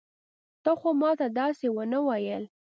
تا خو ما ته داسې ونه ويل.